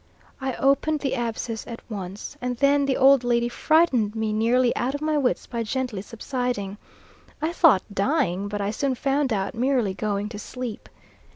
I opened the abscess at once, and then the old lady frightened me nearly out of my wits by gently subsiding, I thought dying, but I soon found out merely going to sleep.